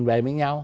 về với nhau